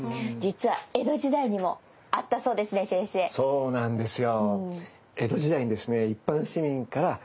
そうなんですよ。